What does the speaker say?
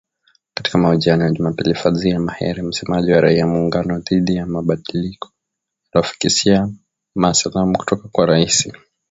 Katika mahojiano ya Jumapili, Fadzayi Mahere, msemaji wa raia muungano dhidi ya mabadiliko aliwafikisia ma salamu kutoka kwa rahisi